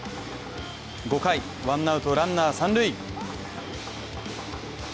５回、ワンアウト、ランナー、三塁。